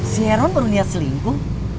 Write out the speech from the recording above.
si herman baru lihat selingkuh